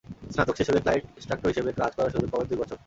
স্নাতক শেষ হলে ফ্লাইট ইনস্ট্রাক্টর হিসেবে কাজ করার সুযোগ পাবেন দুই বছর।